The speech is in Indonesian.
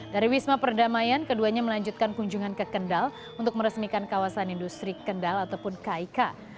dari wisma perdamaian keduanya melanjutkan kunjungan ke kendal untuk meresmikan kawasan industri kendal ataupun kaika